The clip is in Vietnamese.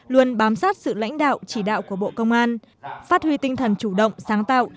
luôn bám sát sự lãnh đạo chỉ đạo của bộ công an phát huy tinh thần chủ động sáng tạo